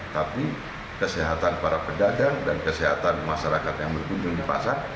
tapi kesehatan para pedagang dan kesehatan masyarakat yang berkunjung di pasar